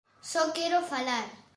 Só quero falar.